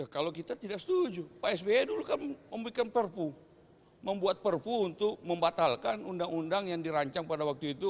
kalau kita tidak setuju pak sby dulu kan memberikan perpu membuat perpu untuk membatalkan undang undang yang dirancang pada waktu itu